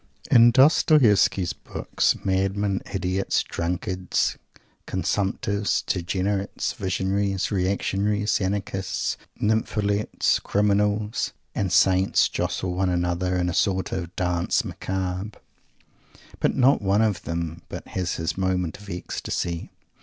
In Dostoievsky's books, madmen, idiots, drunkards, consumptives, degenerates, visionaries, reactionaries, anarchists, nympholepts, criminals and saints jostle one another in a sort of "Danse Macabre," but not one of them but has his moment of ecstasy.